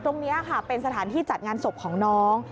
ตรงนี้ค่ะเป็นสถานที่จัดงานศพของน้อง